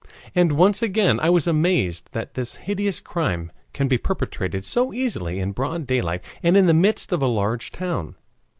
And once again I was amazed that this hideous crime can be perpetrated so easily in broad daylight and in the midst of a large town.